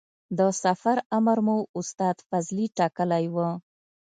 د سفر امر مو استاد فضلي ټاکلی و.